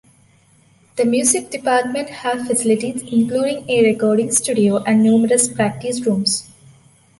The music department have facilities including a recording studio and numerous practice rooms.